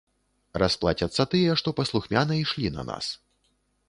Расплацяцца тыя, што паслухмяна ішлі на нас.